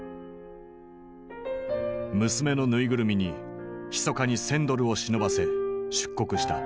娘の縫いぐるみにひそかに１，０００ドルを忍ばせ出国した。